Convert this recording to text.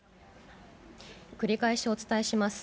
繰り返しお伝えします。